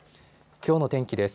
きょうの天気です。